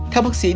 theo bác sĩ đinh